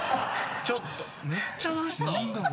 ちょっとめっちゃ出した。